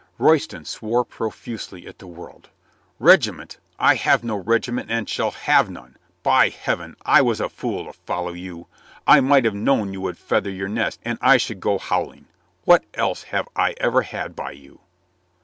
Royston swore profusely at the world. "Regi ment! I have no regiment and shall have none. By Heaven, I was a fool to follow you. I might have known you would feather your nest and I should go howling. What else have I ever had by you?"